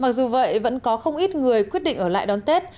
mặc dù vậy vẫn có không ít người quyết định ở lại đón tết